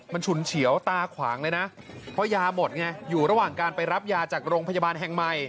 มันฉุนเฉียวตาขวางเลยนะเพราะยาหมดไงอยู่ระหว่างการไปรับยาจากโรงพยาบาลแห่งใหม่